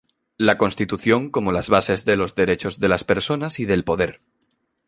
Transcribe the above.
La Constitución como las bases de los derechos de las personas y del poder.